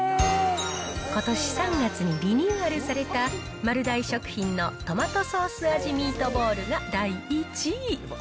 ことし３月にリニューアルされた丸大食品のトマトソース味ミートボールが第１位。